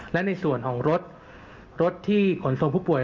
และในส่วนของรถรถที่ขนส่งผู้ป่ว